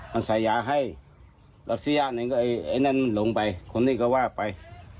มันใส่ยาให้รัสเซียนิก็ไอ้นั่นลงไปคนนี้ก็ว่าไป